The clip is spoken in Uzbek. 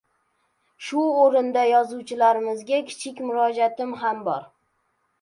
Shu o‘rinda yozuvchilarimizga kichik murojaatim ham bor.